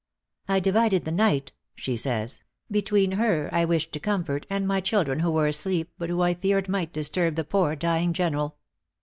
"I divided the night," she says, "between her I wished to comfort, and my children who were asleep, but who I feared might disturb the poor dying General.